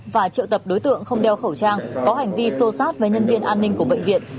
và triệu tập đối tượng không đeo khẩu trang có hành vi sô sát với nhân viên an ninh của bệnh viện